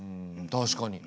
確かに。